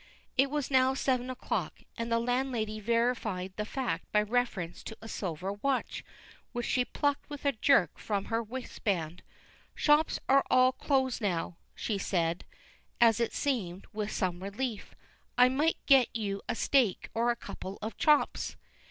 It was now seven o'clock, and the landlady verified the fact by reference to a silver watch, which she plucked with a jerk from her waistband. "Shops are all closed now," she said, as it seemed, with some relief. "I might get you a steak, or a couple of chops."